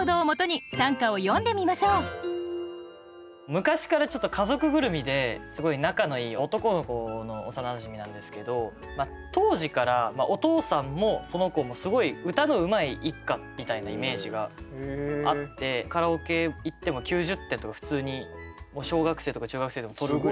昔から家族ぐるみですごい仲のいい男の子の幼なじみなんですけど当時からお父さんもその子もすごい歌のうまい一家みたいなイメージがあってカラオケ行っても９０点とか普通に小学生とか中学生でも取るぐらい。